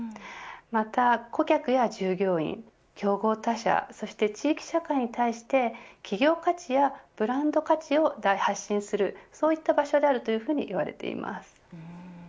また顧客や従業員競合他社そして地域社会に対して企業価値やブランド価値を発信する場所であるといわれています。